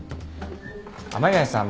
雨宮さん